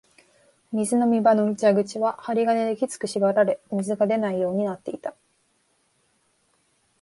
水飲み場の蛇口は針金できつく縛られ、水が出ないようになっていた